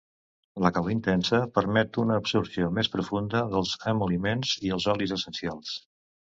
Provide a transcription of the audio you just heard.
La calor intensa permet una absorció més profunda dels emol·lients i els olis essencials.